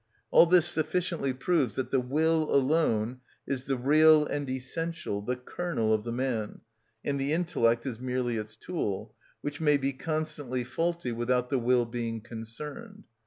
All this sufficiently proves that the will alone is the real and essential, the kernel of the man, and the intellect is merely its tool, which may be constantly faulty without the will being concerned.